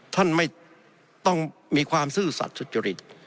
ท่านไม่ต้องมีความซื่อสัตว์สุจริต